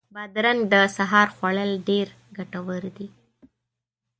بادرنګ د سهار خوړل ډېر ګټور دي.